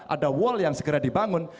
ada wall yang segera dibangun